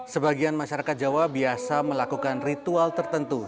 sebagian masyarakat jawa biasa melakukan ritual tertentu